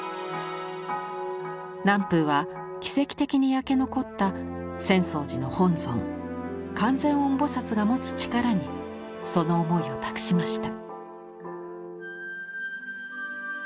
南風は奇跡的に焼け残った浅草寺の本尊観世音菩が持つ力にその思いを託しました。